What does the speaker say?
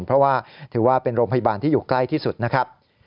เพราะว่าถือว่าเป็นโรงพยาบาลที่อยู่ใกล้ที่สุดนะครับ